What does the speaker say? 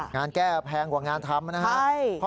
งานแก้แพงกว่างานทำนะครับ